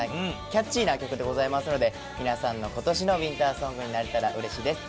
キャッチーな曲でございますので皆さんの今年のウィンターソングになれたらうれしいです。